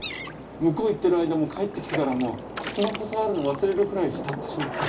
向こう行ってる間も帰ってきてからもスマホ触るの忘れるくらい浸ってしまって。